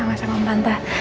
sama sama tante